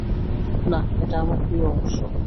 না, এটা আমার প্রিয় অংশ।